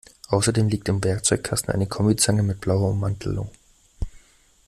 Außerdem liegt im Werkzeugkasten eine Kombizange mit blauer Ummantelung.